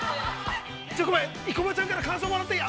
ちょっとごめん、生駒ちゃんから感想をもらっていい？